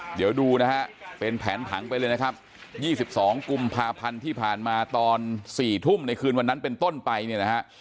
เดี๋ยวดูนะฮะเป็นแผนผังไปเลยนะครับ๒๒กุมภาพันธ์ที่ผ่านมาตอน๔ทุ่มในคืนวันนั้นเป็นต้นไปเนี่ยนะฮะ